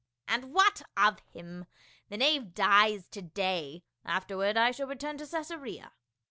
" And what of him ? The knave dies to day, after ward I shall return to Caesarea."